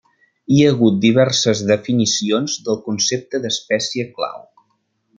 Hi ha hagut diverses definicions del concepte d'espècie clau.